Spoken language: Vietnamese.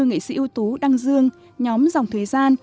nghệ sĩ ưu tú đăng dương nhóm dòng thời gian